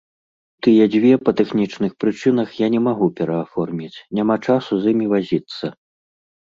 Тыя дзве па тэхнічных прычынах я не магу перааформіць, няма часу з імі вазіцца.